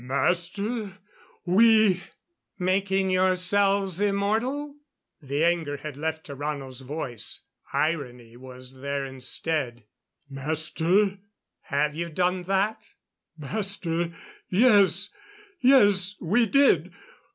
"Master, we " "Making yourselves immortal?" The anger had left Tarrano's voice; irony was there instead. "Master " "Have you done that?" "Master yes! Yes! We did!